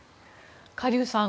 カ・リュウさん